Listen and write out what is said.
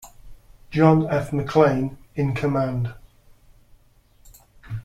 John F. McClain in command.